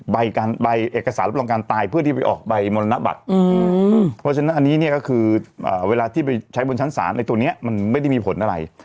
ใบเอกสารรับรองการตายเพื่อที่ไปออกใบมรณบัตรเพราะฉะนั้นอันนี้เนี่ยก็คือเวลาที่ไปใช้บนชั้นศาลในตัวนี้มันไม่ได้มีผลอะไร